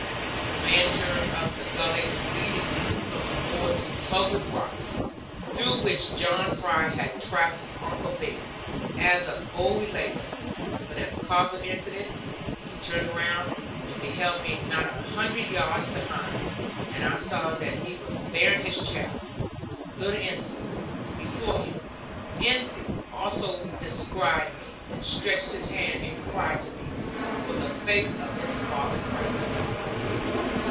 The man turned up the gully leading from the moor to Cloven Rocks, through which John Fry had tracked Uncle Ben, as of old related. But as Carver entered it, he turned round, and beheld me not a hundred yards behind; and I saw that he was bearing his child, little Ensie, before him. Ensie also descried me, and stretched his hands and cried to me; for the face of his father frightened him.